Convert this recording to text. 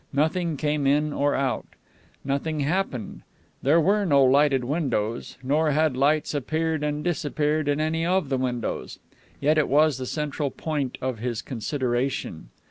Nothing came in nor out. Nothing happened. There were no lighted windows, nor had lights appeared and disappeared in any of the windows. Yet it was the central point of his consideration.